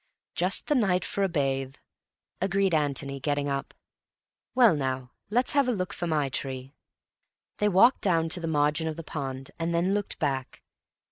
"Just the night for a bathe," agreed Antony, getting up. "Well now, let's have a look for my tree." They walked down to the margin of the pond and then looked back.